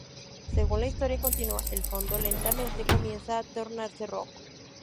Según la historia continúa, el fondo lentamente comienza a tornarse rojo.